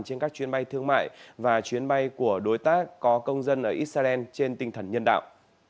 trên các chuyến bay thương mại và chuyến bay của đối tác có công dân ở israel trên tinh thần nhân đạo